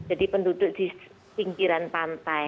yang jadi penduduk di pinggiran pantai